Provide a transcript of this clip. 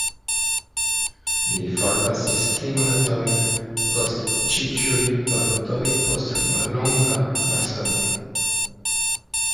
Li forpasis tri monatojn post ĉi tiuj balotoj post mallonga malsano.